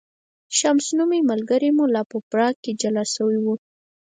شمس نومی ملګری مو لا په پراګ کې جلا شوی و.